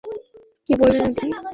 কি বললেন আপনি?